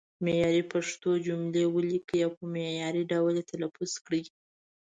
معیاري پښتو جملې ولیکئ او په معیاري ډول یې تلفظ کړئ.